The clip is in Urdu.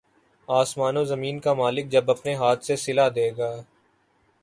آسمان و زمین کا مالک جب اپنے ہاتھ سے صلہ دے گا